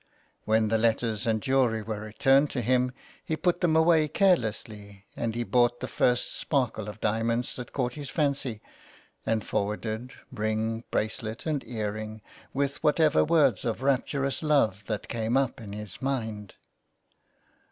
When the letters and the jewellery were returned to him he put them away carelessly, and he bought the first sparkle of diamonds that caught his fancy, and 265 THE CLERK'S QUEST. forwarded ring, bracelet, and ear ring, with whatever words of rapturous love that came up in his mind.